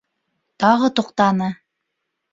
Тағы туҡтаны.